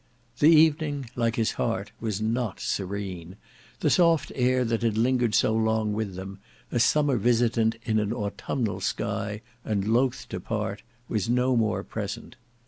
The evening, like his heart, was not serene. The soft air that had lingered so long with them, a summer visitant in an autumnal sky and loth to part, was no more present.